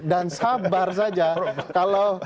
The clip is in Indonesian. dan sabar saja